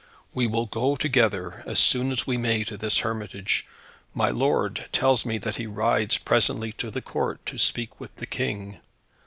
"We will go together, as soon as we may, to this hermitage. My lord tells me that he rides presently to the Court to speak with the King.